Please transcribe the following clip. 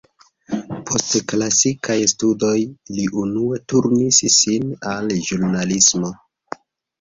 Post klasikaj studoj, li unue turnis sin al ĵurnalismo.